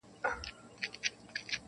تر هر بیته مي راځې بیرته پناه سې-